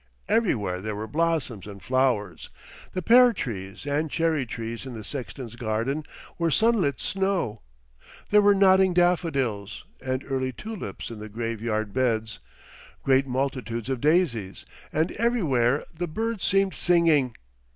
Everywhere there were blossoms and flowers; the pear trees and cherry trees in the sexton's garden were sunlit snow, there were nodding daffodils and early tulips in the graveyard beds, great multitudes of daisies, and everywhere the birds seemed singing.